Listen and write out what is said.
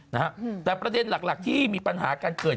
นะฮะแต่ประเด็นหลักหลักที่มีปัญหาการเกิด